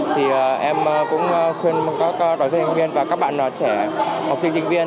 thì em cũng khuyên mong các đoàn học sinh viên và các bạn trẻ học sinh sinh viên